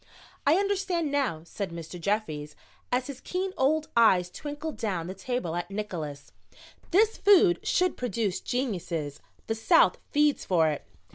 "I understand now," said Mr. Jeffries, as his keen old eyes twinkled down the table at Nickols. "This food should produce geniuses. The South feeds for it."